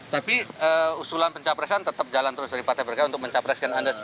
tapi usulan pencapresan tetap jalan terus dari partai berkarya untuk mencapreskan anda